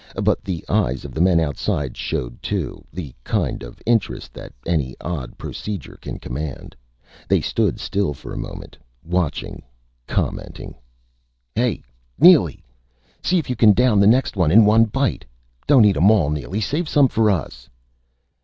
But the eyes of the men outside showed, too, the kind of interest that any odd procedure can command. They stood still for a moment, watching, commenting: "Hey Neely! See if you can down the next one with one bite!... Don't eat 'em all, Neely! Save some for us!..."